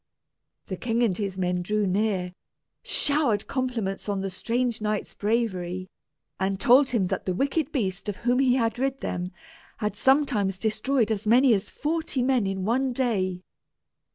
The king and his men drew near, showered compliments on the strange knight's bravery, and told him that the wicked beast of whom he had rid them had sometimes destroyed as many as forty men in one day.